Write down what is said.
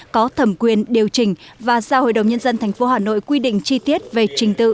có thẩm quyền điều chỉnh và giao hội đồng nhân dân tp hà nội quy định chi tiết về trình tự